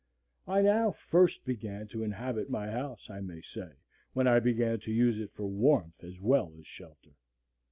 I now first began to inhabit my house, I may say, when I began to use it for warmth as well as shelter.